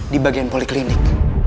di bagian poliklinik